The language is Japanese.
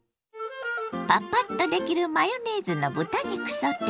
パパッとできるマヨネーズの豚肉ソテー。